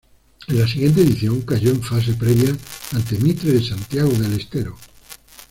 En la siguiente edición cayó en fase previa ante Mitre de Santiago del Estero.